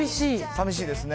さみしいですね。